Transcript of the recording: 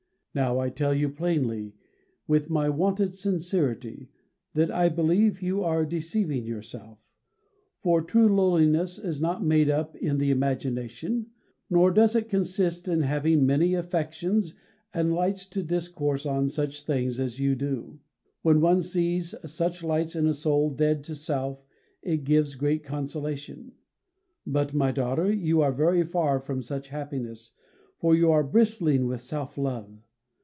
Now I tell you plainly, with my wonted sincerity, that I believe you are deceiving yourself; for true lowliness is not made up in the imagination, nor does it consist in having many affections and lights to discourse on such things as you do. When one sees such lights in a soul dead to self it gives great consolation. But, my daughter, you are very far from such happiness, for you are bristling with self love.